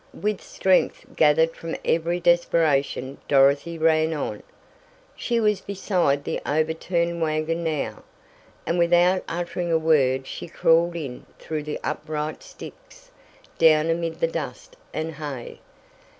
With strength gathered from every desperation Dorothy ran on. She was beside the overturned wagon now, and without uttering a word she crawled in through the upright sticks, down amid the dust and hay.